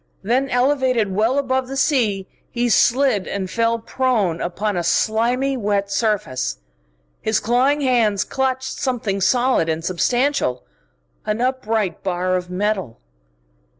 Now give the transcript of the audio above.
Then, elevated well above the sea, he slid and fell prone upon a slimy wet surface. His clawing hands clutched something solid and substantial, an upright bar of metal.